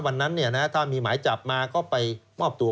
วันนั้นถ้ามีหมายจับมาก็ไปมอบตัว